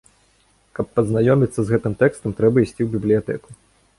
Каб пазнаёміцца з гэтым тэкстам, трэба ісці ў бібліятэку.